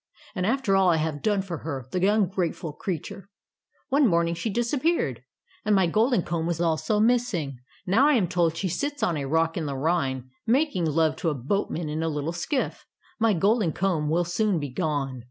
And after all I have done for her, the ungrateful creature. One morning she disappeared, and my golden comb was also missing. Now, I am told, she sits on a rock in the Rhine, making love to a boatman in a little skifif. My golden comb will soon be gone.